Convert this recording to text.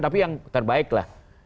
tapi yang terbaik lah